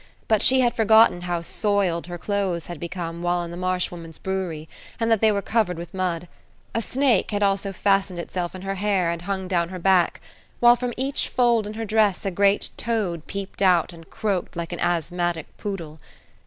But she had forgotten how soiled her clothes had become while in the Marsh Woman's brewery, and that they were covered with mud; a snake had also fastened itself in her hair, and hung down her back, while from each fold in her dress a great toad peeped out and croaked like an asthmatic poodle.